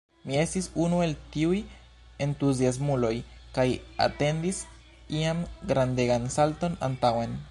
Mi estis unu el tiuj entuziasmuloj kaj atendis ian “grandegan salton antaŭen”.